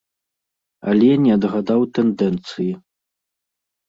Але не адгадаў тэндэнцыі.